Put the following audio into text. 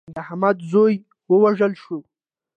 د احمد زوی ووژل شو.